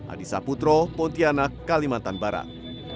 adisa putro pontianak kalimantan barat